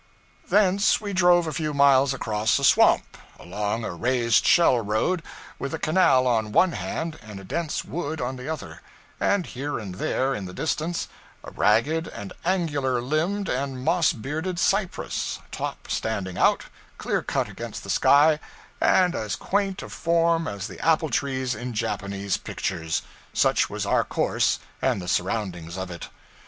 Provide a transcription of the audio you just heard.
Thence, we drove a few miles across a swamp, along a raised shell road, with a canal on one hand and a dense wood on the other; and here and there, in the distance, a ragged and angular limbed and moss bearded cypress, top standing out, clear cut against the sky, and as quaint of form as the apple trees in Japanese pictures such was our course and the surroundings of it.